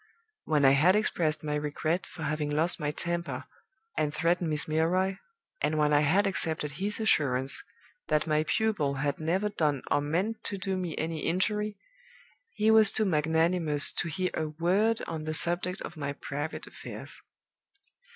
When I had expressed my regret for having lost my temper and threatened Miss Milroy, and when I had accepted his assurance that my pupil had never done or meant to do me any injury, he was too magnanimous to hear a word on the subject of my private affairs.